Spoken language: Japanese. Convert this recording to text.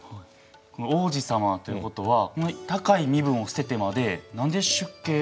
王子様ということは高い身分を捨ててまで何で出家しちゃったんですか？